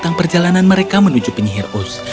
aku jahat buat wiz